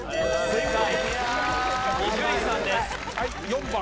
正解。